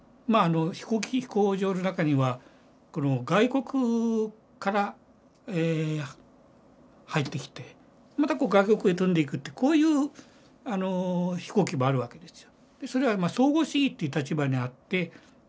飛行場の中には外国から入ってきてまた外国へ飛んでいくってこういう飛行機もあるわけですよ。